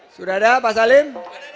sudah ada pak salim